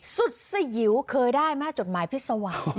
สุดสยิวเคยได้มั้ยจดหมายพิสาวะ